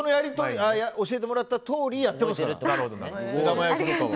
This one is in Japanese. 教えてもらったとおりやってますから、目玉焼き。